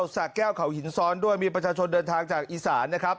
สะแก้วเขาหินซ้อนด้วยมีประชาชนเดินทางจากอีสานนะครับ